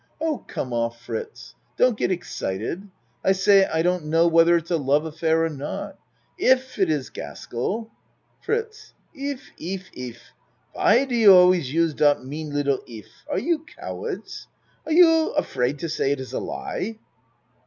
Oh, come off Fritz. Don't get excited. I say I don't know whether it's a love affair or not. If it is Gaskell FRITZ If if if! Why do you always use dot mean little .'if? Are you cowards? Are you afraid to say it is a lie?